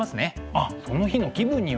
あっその日の気分によって。